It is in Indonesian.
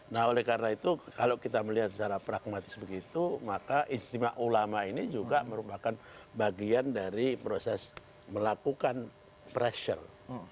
nah oleh karena itu kalau kita melihat secara pragmatis begitu maka istimewa ulama ini juga merupakan bagian dari proses melakukan pressure